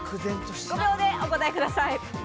５秒でお答えください。